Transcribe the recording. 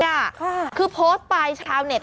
ค่ะคือโพสต์ไปชาวเน็ต